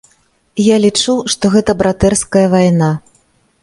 Я лічу, што гэта братэрская вайна.